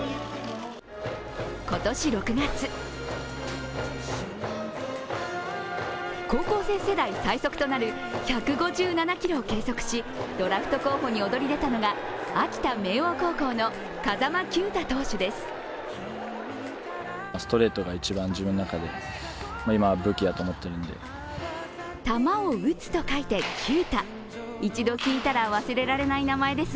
今年６月高校生世代最速となる１５７キロを計測しドラフト候補に躍り出たのが秋田・明桜高校の風間球打投手です。